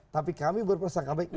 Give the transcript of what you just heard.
tapi kami berprasangka baik